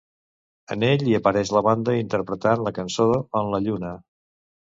En ell hi apareix la banda interpretant la cançó en la Lluna.